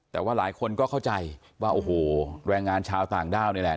แต่ว่าหลายคนก็เข้าใจว่าโอ้โหแรงงานชาวต่างด้าวนี่แหละ